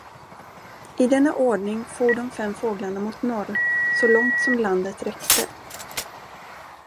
I denna ordning for de fem fåglarna mot norr, så långt som landet räckte.